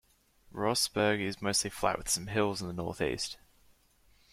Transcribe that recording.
Rohrsburg is mostly flat with some hills in the northeast.